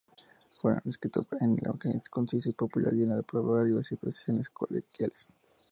Fueron escritos en un lenguaje conciso y popular, lleno de proverbios y expresiones coloquiales.